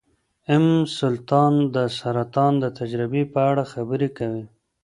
ام سلطان د سرطان د تجربې په اړه خبرې کوي.